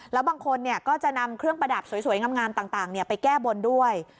แล้วบางคนก็จะนำเครื่องประดับสวยงามต่างไปแก้บนด้วย